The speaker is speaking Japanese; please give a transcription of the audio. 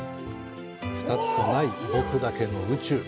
二つとない僕だけの宇宙。